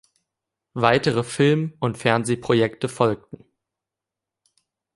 Weitere Film- und Fernsehprojekte folgten.